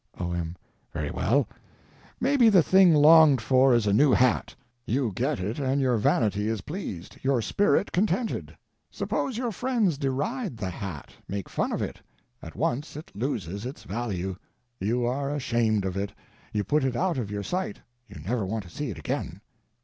O.M. Very well. Maybe the thing longed for is a new hat. You get it and your vanity is pleased, your spirit contented. Suppose your friends deride the hat, make fun of it: at once it loses its value; you are ashamed of it, you put it out of your sight, you never want to see it again.